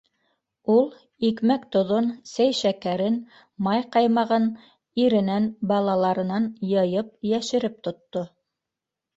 Ул икмәк-тоҙон, сәй-шәкәрен, май-ҡаймағын иренән, балаларынан йыйып, йәшереп тотто.